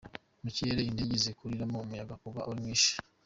Mu kirere indege zigurukiramo, umuyaga uba ari mwinshi.